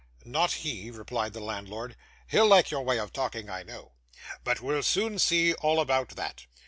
'Not he,' replied the landlord. 'He'll like your way of talking, I know. But we'll soon see all about that.